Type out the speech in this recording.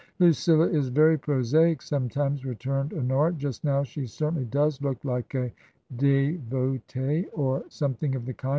" Lucilla is very prosaic — sometimes," returned Ho nora; "just now she certainly does look like a devote or something of the kind.